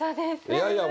いやいや